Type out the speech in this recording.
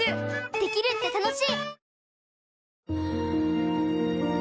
できるって楽しい！